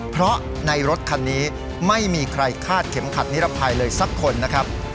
เพราะในรถคันนี้ไม่มีใครคาดเข็มขัดนิรภัยเลยสักคนนะครับ